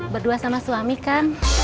berdua sama suami kan